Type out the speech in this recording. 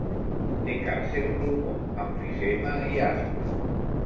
Té càncer pulmó, emfisema i asma.